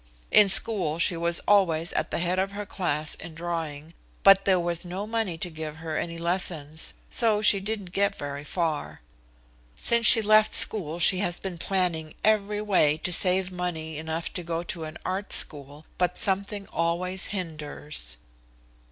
In school she was always at the head of her class in drawing, but there was no money to give her any lessons, so she didn't get very far. Since she left school she has been planning every way to save money enough to go to an art school, but something always hinders."